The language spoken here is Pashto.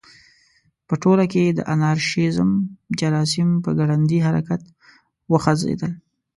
په ټولنه کې د انارشیزم جراثیم په ګړندي حرکت وخوځېدل.